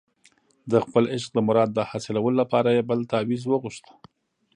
د خپل عشق د مراد د حاصلولو لپاره یې بل تاویز وغوښت.